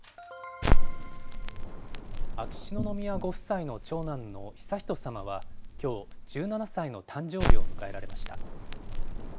秋篠宮ご夫妻の長男の悠仁さまはきょう、１７歳の誕生日を迎えられました。